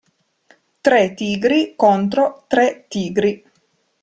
Tre tigri contro tre tigri.